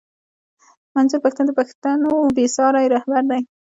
منظور پښتون د پښتنو بې ساری رهبر دی